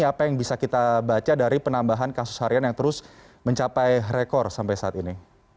apa yang bisa kita baca dari penambahan kasus harian yang terus mencapai rekor sampai saat ini